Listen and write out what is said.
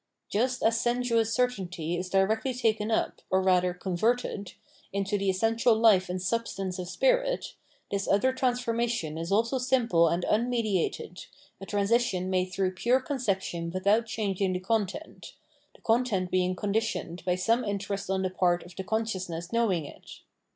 Just as sensuous certainty is directly taken up, or rather converted, into the essential life and substance of spirit, this other transformation is also simple and unmediated, a transition made through pure conception without changing the content, the content being con ditioned by some interest on the part of the conscious ness knowing it.